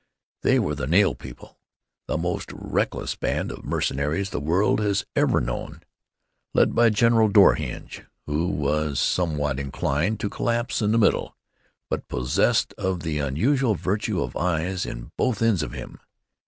They were the Nail People, the most reckless band of mercenaries the world has ever known, led by old General Door Hinge, who was somewhat inclined to collapse in the middle, but possessed of the unusual virtue of eyes in both ends of him.